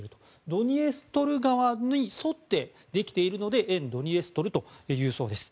ドニエストル川に沿ってできているので沿ドニエストル共和国と言うそうです。